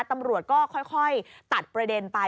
ตำรวจก็ค่อยตัดประเด็นไป